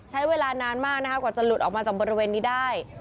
ใช้เวลานานมากนะคะกว่าจะหลุดออกมาจากบริเวณนี้ได้